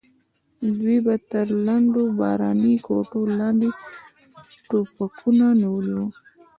دوی به تر لندو باراني کوټو لاندې ټوپکونه نیولي وو.